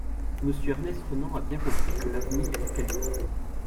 Monsieur Ernest Renan a bien compris que l'avenir est à Caliban.